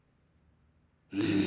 うん。